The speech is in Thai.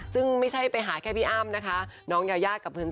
ซึ่งไม่ใช่ไปหาไปแค่พี่อ้ำนะคะ